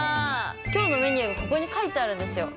きょうのメニューがここに書いてあるんですよ。